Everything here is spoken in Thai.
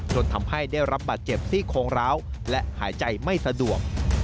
จนทำให้ได้รับบาดเจ็บซี่โคงร้าวและหายใจไม่สะดวก